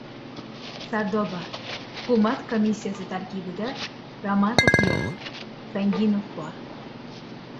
Sardoba. Hukumat komissiyasi tarkibida Ramatov yo‘q, Sanginov bor